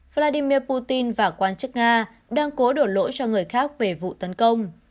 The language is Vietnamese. vladimir putin và quan chức nga đang cố đổ lỗi cho người khác về vụ tấn công